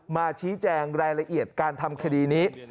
มาชี้แจงรายละเอียดการทำคดีนี้